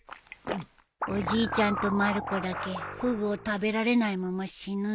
おじいちゃんとまる子だけフグを食べられないまま死ぬんだね。